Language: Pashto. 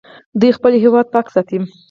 دوی خپل هیواد پاک ساتي.